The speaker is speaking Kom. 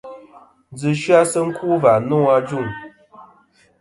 Ndzɨ sɨ-a sɨ ku va nô ajuŋ.